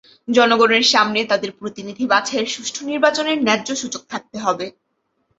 জনগণের সামনে তাদের প্রতিনিধি বাছাইয়ের সুষ্ঠু নির্বাচনের ন্যায্য সুযোগ থাকতে হবে।